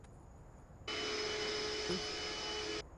Tiene su sede en Midland.